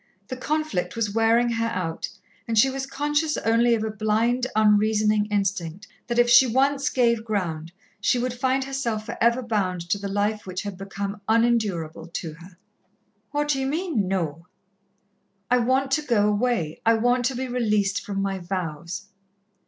The conflict was wearing her out, and she was conscious only of a blind, unreasoning instinct that if she once gave ground, she would find herself for ever bound to the life which had become unendurable to her. "What d'ye mean, No?" "I want to go away. I want to be released from my vows."